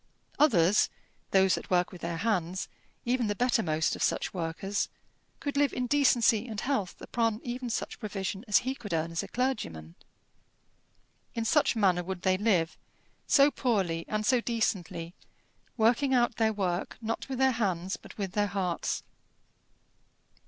Others, those that work with their hands, even the bettermost of such workers could live in decency and health upon even such provision as he could earn as a clergyman. In such manner would they live, so poorly and so decently, working out their work, not with their hands but with their hearts.